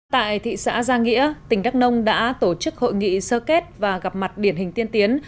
tại thị xã giang nghĩa tỉnh đắk nông đã tổ chức hội nghị sơ kết và gặp mặt điển hình tiên tiến